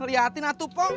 liatin atuh pok